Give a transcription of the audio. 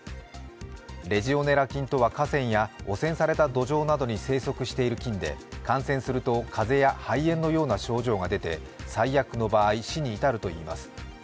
レジオネラ菌とは、河川や汚染された土壌などに生息している菌で感染すると風邪や肺炎のような症状が出て最悪の場合、死に至るといいます。